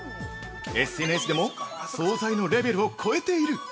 ＳＮＳでも「総菜のレベルを超えている！」